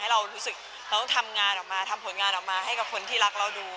เรารู้สึกเราต้องทำงานออกมาทำผลงานออกมาให้กับคนที่รักเราดู